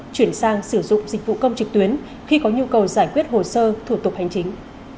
chuyển sang sử dụng dịch vụ công trực tuyến khi có nhu cầu giải quyết hồ sơ thủ tục hành chính